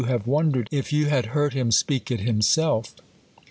e v/ondered, if you had heard him speak it himself!"